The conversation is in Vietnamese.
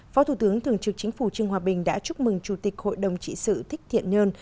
phó thủ tướng thường trực chính phủ trương hòa bình đã chúc mừng chủ tịch hội đồng trị sự thích thiện nhân